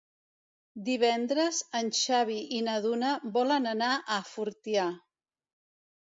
Divendres en Xavi i na Duna volen anar a Fortià.